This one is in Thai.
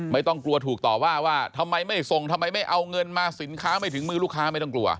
ไม่ต้องกลัวถูกต่อว่าว่าทำไมไม่ส่งทำไมไม่เอาเงินมาสินค้าไม่ถึงมือลูกค้าไม่ต้องกลัว